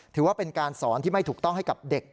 ถือว่าเป็นการสอนที่ไม่ถูกต้องให้กับเด็ก